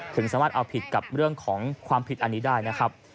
ถึงสามารถเอาผิดกับเรื่องของความผิดอันนี้ได้นะครับ